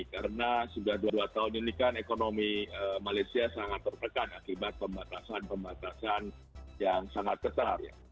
karena sudah dua tahun ini kan ekonomi malaysia sangat terpekan akibat pembatasan pembatasan yang sangat besar